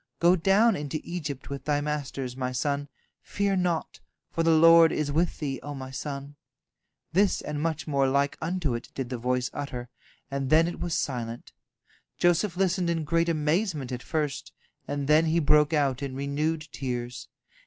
Go down into Egypt with thy masters, my son; fear naught, for the Lord is with thee, O my son." This and much more like unto it did the voice utter, and then it was silent. Joseph listened in great amazement at first, and then he broke out in renewed tears.